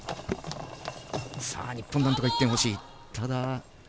日本、なんとか１点ほしい。